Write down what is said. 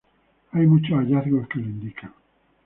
Hay muchos hallazgos que lo indican.